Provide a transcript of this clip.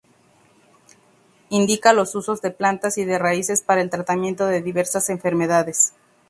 Indica los usos de plantas y de raíces para el tratamiento de diversas enfermedades.